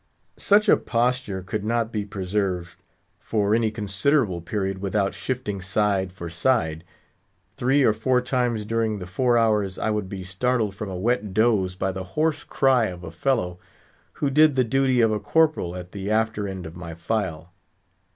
Such a posture could not be preserved for any considerable period without shifting side for side. Three or four times during the four hours I would be startled from a wet doze by the hoarse cry of a fellow who did the duty of a corporal at the after end of my file.